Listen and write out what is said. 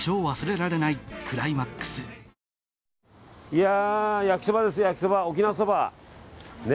いやー、焼きそばですよ焼きそば、沖縄そば。